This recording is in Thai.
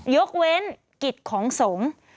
ยกเว้นกฤทธิ์ของสงทร์